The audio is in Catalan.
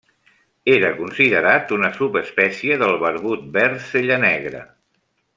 Era considerat una subespècie del barbut verd cellanegre.